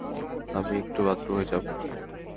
আমি একটু বাথরুমে যাবো।